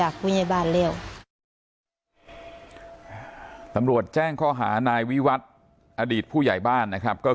กำลังแล้ววิง